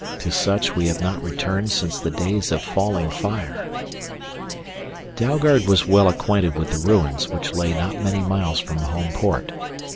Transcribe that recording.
To such we have not returned since the days of falling fire " Dalgard was well acquainted with the ruins which lay not many miles from Homeport.